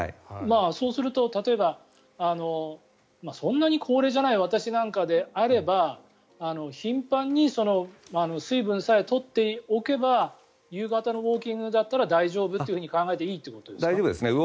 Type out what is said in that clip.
そうすると例えば、そんなに高齢じゃない私なんかであれば頻繁に水分さえ取っておけば夕方のウォーキングだったら大丈夫だと考えていいということですか。